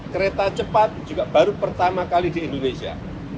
kereta cepat juga baru pertama kali di indonesia